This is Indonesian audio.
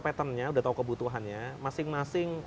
patternnya udah tahu kebutuhannya masing masing